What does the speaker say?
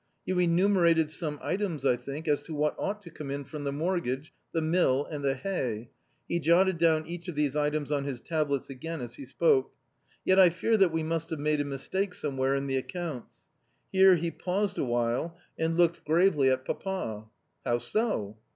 You enumerated some items, I think, as to what ought to come in from the mortgage, the mill, and the hay (he jotted down each of these items on his tablets again as he spoke). Yet I fear that we must have made a mistake somewhere in the accounts." Here he paused a while, and looked gravely at Papa. "How so?"